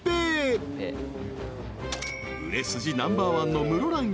［売れ筋ナンバーワンの］